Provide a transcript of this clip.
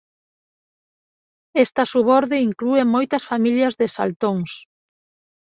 Esta suborde inclúe moitas familias de saltóns.